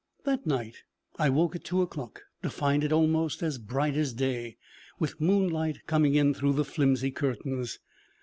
That night I woke at two o'clock to find it almost as bright as day, with moonlight coming in through the flimsy curtains.